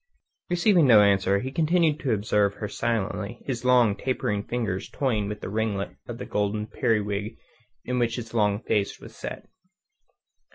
Receiving no answer, he continued to observe her silently, his long, tapering fingers toying with a ringlet of the golden periwig in which his long face was set.